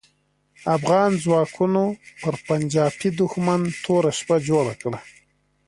افغان ځواکونو پر پنجاپي دوښمن توره شپه جوړه کړه.